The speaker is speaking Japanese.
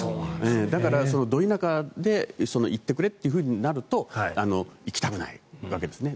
だからド田舎で行ってくれとなると行きたくないわけですね。